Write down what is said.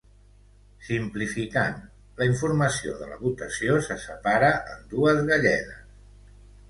Simplificant, la informació de la votació se separa en dues galledes.